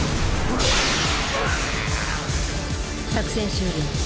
作戦終了。